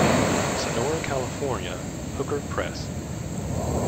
Sonora, California: Hooker Press.